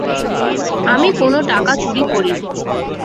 আমি কোনো টাকা চুরি করিনি।